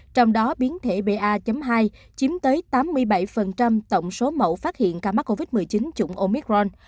trong đó biến thể ba hai chiếm tới tám mươi bảy tổng số mẫu phát hiện ca mắc covid một mươi chín chủng omicron